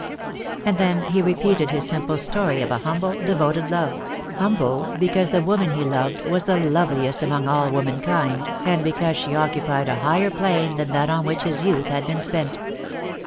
And then he repeated his simple story of a humble, devoted love — humble because the woman he loved was the loveliest among all womankind, and because she oc cupied a higher plane than that on which his youth had been spent.